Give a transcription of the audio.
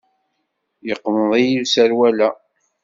Yeqmeḍ-iyi userwal-a.